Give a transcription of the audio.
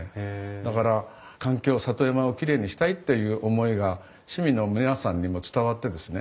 だから環境里山をきれいにしたいっていう思いが市民の皆さんにも伝わってですね